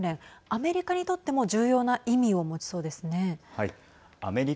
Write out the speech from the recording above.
アメリカにとっても重要な意味を持ちそうですね。